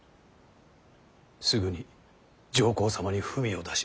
すぐに上皇様に文を出します。